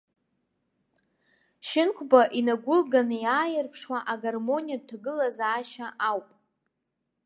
Шьынқәба инагәылганы иааирԥшуа агармониатә ҭагылазаашьа ауп.